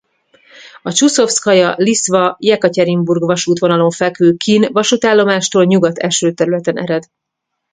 A Csuszovszkaja–Liszva–Jekatyerinburg vasútvonalon fekvő Kin vasútállomástól nyugat eső területen ered.